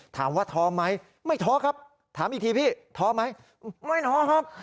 ถามว่าท้อไหมไม่ท้อครับถามอีกทีพี่ท้อไหมไม่ท้อครับ